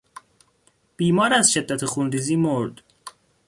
بیمار از شدت خونریزی مرد.